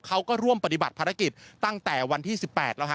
เขาก็ร่วมปฏิบัติภารกิจตั้งแต่วันที่๑๘แล้วฮะ